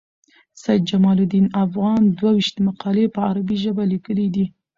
سید جمال الدین افغان دوه ویشت مقالي په عربي ژبه لیکلي دي.